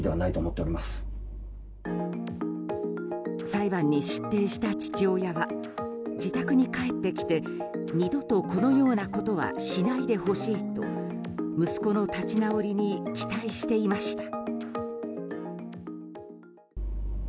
裁判に出廷した父親は自宅に帰ってきて二度と、このようなことはしないでほしいと息子の立ち直りに期待していました。